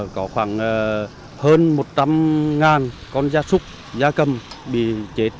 có khoảng hơn một trăm linh con gia súc gia cầm bị chết và trôi